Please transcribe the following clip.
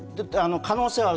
可能性はある。